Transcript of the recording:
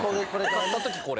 買ったときこれ。